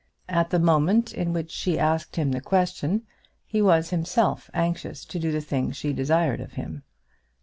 At the moment in which she asked him the question he was himself anxious to do the thing she desired of him.